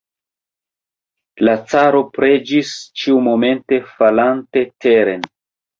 La caro preĝis, ĉiumomente falante teren.